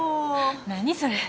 何それ？